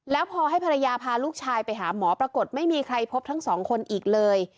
แล้วพอให้ภรรยาพาลูกชายไปหาหมอปรากฏไม่มีใครพบทั้งสองคนอีกเลย